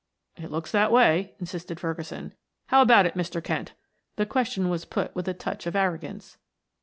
"It looks that way," insisted Ferguson. "How about it, Mr. Kent?" The question was put with a touch of arrogance.